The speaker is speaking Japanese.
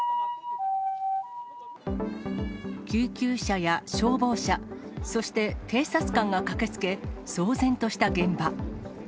救急車や消防車、そして警察官が駆けつけ、騒然とした現場。